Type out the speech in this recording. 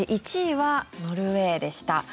１位はノルウェーでした。